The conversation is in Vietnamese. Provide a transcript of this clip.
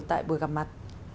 tại buổi gặp mặt